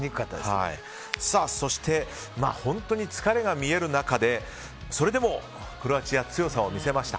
そして本当に疲れが見える中でそれでもクロアチア強さを見せました。